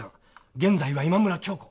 現在は今村恭子。